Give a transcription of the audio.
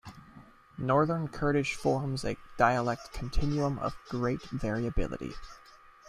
Northern Kurdish forms a dialect continuum of great variability.